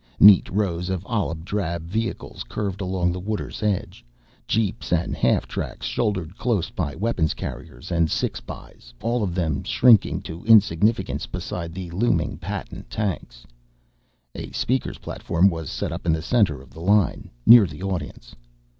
Neat rows of olive drab vehicles curved along the water's edge. Jeeps and half tracks shouldered close by weapons carriers and six bys, all of them shrinking to insignificance beside the looming Patton tanks. A speakers' platform was set up in the center of the line, near the audience.